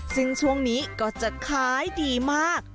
ซึ่งช่วงนี้ก็จะขายดีมาก